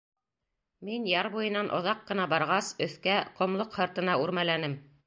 Мин яр буйынан оҙаҡ ҡына барғас, өҫкә, ҡомлоҡ һыртына, үрмәләнем.